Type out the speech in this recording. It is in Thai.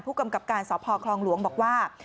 ผู้กำกับการสพคลองหลวงบอกว่า